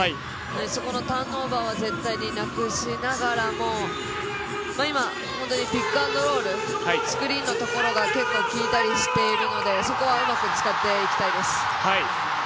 そこのターンオーバーは絶対になくしながらも今、ピックアンドロール、スクリーンのところが結構効いたりしているのでそこはうまく使っていきたいです。